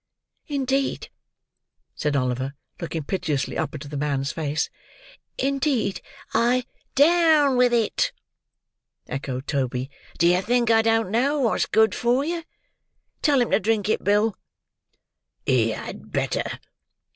"Indeed," said Oliver, looking piteously up into the man's face; "indeed, I—" "Down with it!" echoed Toby. "Do you think I don't know what's good for you? Tell him to drink it, Bill." "He had better!"